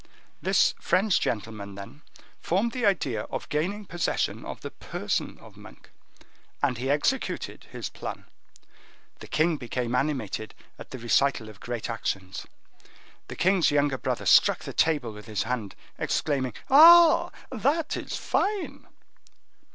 This French gentleman, then, formed the idea of gaining possession of the person of Monk, and he executed his plan." The king became animated at the recital of great actions. The king's younger brother struck the table with his hand, exclaiming, "Ah! that is fine!"